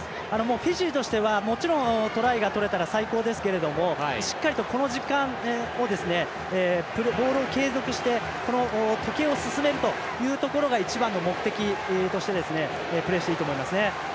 フィジーとしてはもちろんトライが取れたら最高ですけれどもしっかりと、この時間をボールを継続して時計を進めるというところが一番の目的としてプレーしていいと思います。